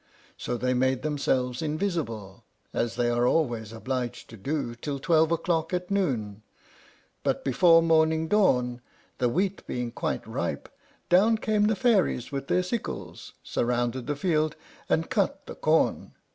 So they made themselves invisible, as they are always obliged to do till twelve o'clock at noon; but before morning dawn, the wheat being quite ripe, down came the fairies with their sickles, surrounded the field, and cut the corn.